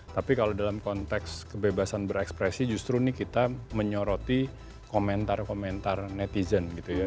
tapi kalau dalam konteks kebebasan berekspresi justru nih kita menyoroti komentar komentar netizen gitu ya